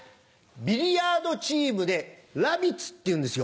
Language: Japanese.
ビリヤードチームでラビッツっていうんですよ。